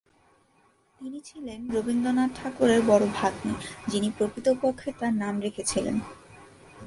তিনি ছিলেন রবীন্দ্রনাথ ঠাকুরের বড়-ভাগ্নী, যিনি প্রকৃতপক্ষে তাঁর নাম রেখেছিলেন।